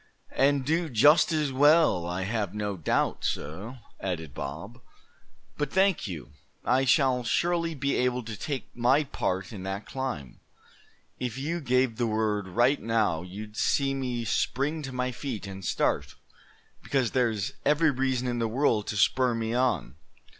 "And do just as well, I have no doubt, suh," added Bob; "but thank you, I shall surely be able to take my part in that climb. If you gave the word right now you'd see me spring to my feet, and start; because there's every reason in the world to spur me on.